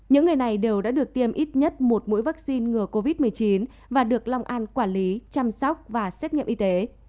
những người này đều đã được tiêm ít nhất một mũi vaccine ngừa covid một mươi chín và được long an quản lý chăm sóc và xét nghiệm y tế